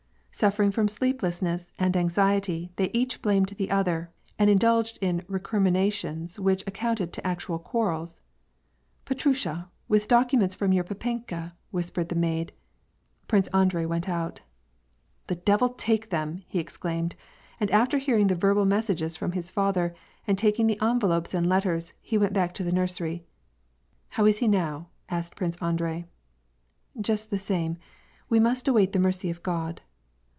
Suffering from sleeplessness and anxiety, they each blamed the other, and indulged in recriminations which amounted to actual quarrels. '< Petrusha, with documents from your papenka,'' whispered the maid. Prince Andrei went out. '' The devil take them,'' he exclaimed, and after hearing the verbal messages from his father, and taking the envelopes and letters, he went back to the nursery. How is he now ?" asked Prince Andrei. " Just the same. We must await the mercy of God.